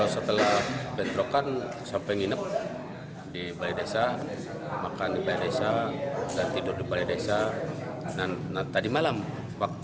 setelah bentrokan sampai nginep di balai desa makan di balai desa tidur di balai desa